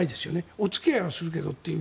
お付き合いはするけどという。